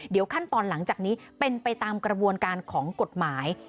เดี๋ยวขั้นตอนหลังจากนี้เป็นไปตามกระบวนการของกฎหมาย